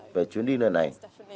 muốn đi nơi này